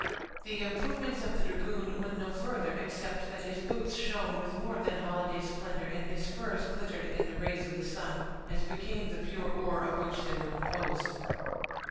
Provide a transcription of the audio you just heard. The improvements of the dragoon went no further, excepting that his boots shone with more than holiday splendor, and his spurs glittered in the rays of the sun, as became the pure ore of which they were composed.